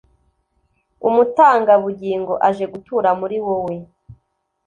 umutanga-bugingo aje gutura muri wowe